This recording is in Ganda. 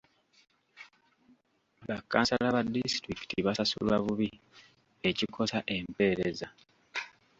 Ba kansala ba disitulikiti basasulwa bubi ekikosa empeereza.